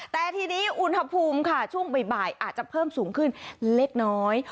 แต่ทีนี้อุณหภูมิค่ะช่วงบ่ายอาจจะเพิ่มสูงขึ้นเล็กน้อย